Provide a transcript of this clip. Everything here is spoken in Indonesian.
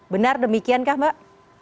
benar demikian kah mbak